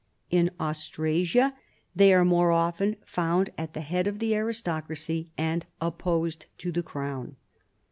In Austrasia they are more often found at the head of the aristocracy and opposed to the crown.